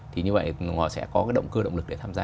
thì như vậy họ sẽ có cái động cơ động lực để tham gia